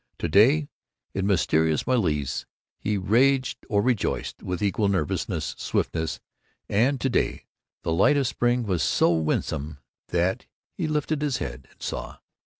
To day, in mysterious malaise, he raged or rejoiced with equal nervous swiftness, and to day the light of spring was so winsome that he lifted his head and saw.